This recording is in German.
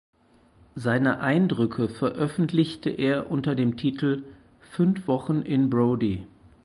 Seine Eindrücke veröffentlichte er unter dem Titel "Fünf Wochen in Brody".